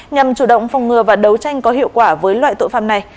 nhằm chủ động phòng ngừa và đấu tranh có hiệu quả với loại tội phạm này